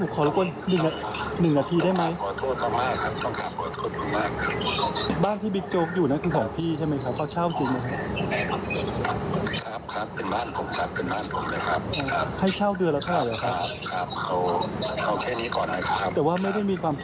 ขอโทษนะครับ